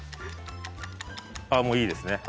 もういいですね。